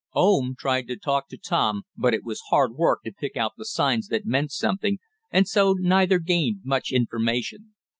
Oom tried to talk to Tom, but it was hard work to pick out the signs that meant something, and so neither gained much information.